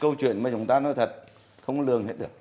câu chuyện mà chúng ta nói thật không lường hết được